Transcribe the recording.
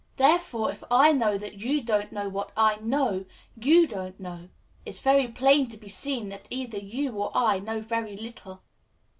Therefore, if I know that you don't know what I know you don't know, it's very plain to be seen that either you or I know very little.